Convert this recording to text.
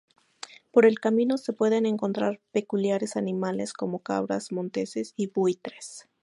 Por el camino se pueden encontrar peculiares animales como cabras monteses y buitres.